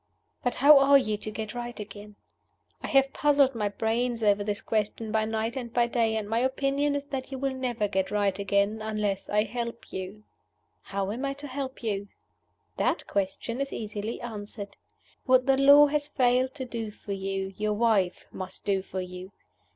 "But how are you to get right again? "I have puzzled my brains over this question by night and by day, and my opinion is that you will never get right again unless I help you. "How am I to help you? "That question is easily answered. What the Law has failed to do for you, your Wife must do for you.